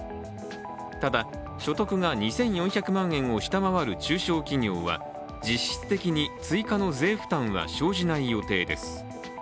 ただ、所得が２４００万円を下回る中小企業は実質的に追加の税負担は生じない予定です。